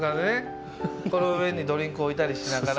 この上にドリンク置いたりしながら。